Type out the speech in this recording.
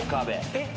・えっ！？